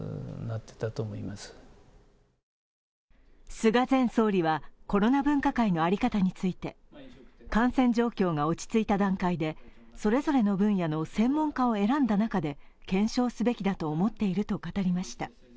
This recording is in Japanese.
菅前総理は、コロナ分科会の在り方について感染状況が落ち着いた段階でそれぞれの分野の専門家を選んだ中で検証すべきだと思っていると語りました。